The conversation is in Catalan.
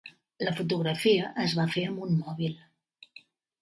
La fotografia es va fer amb un mòbil.